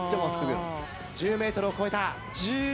１０ｍを超えた！